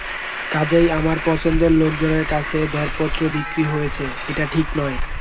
কাজেই আমার পছন্দের লোকজনের কাছে দরপত্র বিক্রি হয়েছে, এটা ঠিক নয়।